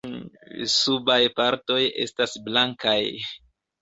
Subaj partoj estas blankaj.